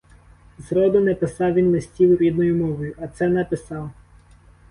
Зроду не писав він листів рідною мовою, а це написав.